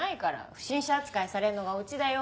不審者扱いされるのがオチだよ。